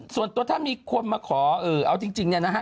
ส่วนตัวถ้ามีคนมาขอเอาจริงเนี่ยนะฮะ